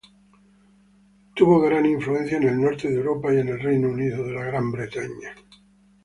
Tuvo gran influencia en el norte de Europa y en el Reino Unido.